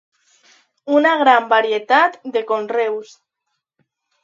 Una gran varietat de conreus.